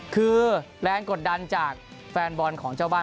คือแรงกดดันจากแฟนบอลของเจ้าบ้าน